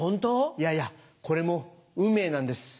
いやいやこれも運命なんです。